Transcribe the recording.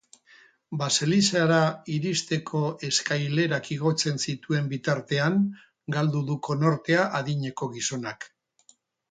Baselizara iristeko eskailerak igotzen zituen bitartean galdu du konortea adineko gizonak.